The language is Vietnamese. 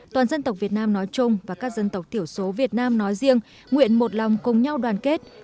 toàn dân tộc việt nam nói chung và các dân tộc thiểu số việt nam nói riêng nguyện một lòng cùng nhau đoàn kết